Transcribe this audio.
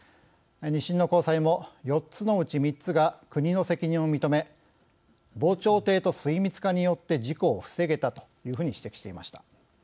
２審の高裁も４つのうち３つが国の責任を認め防潮堤と水密化によって事故を防げたというふうに指摘していました。